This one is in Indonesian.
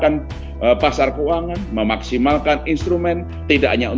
kemudian juga bu menteri keuangan banyak mengeluarkan juga instrumen instrumen yang sifatnya green